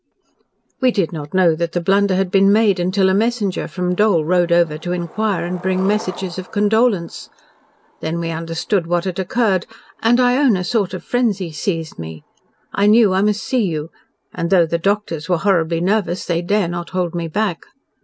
"We did not know that the blunder had been made until a messenger from Dole rode over to inquire and bring messages of condolence. Then we understood what had occurred and I own a sort of frenzy seized me. I knew I must see you, and, though the doctors were horribly nervous, they dare not hold me back.